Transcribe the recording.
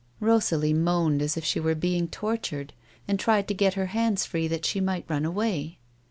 Rosalie moaned as if she w'ere being tortured, and tried to get her hands free that she might run away.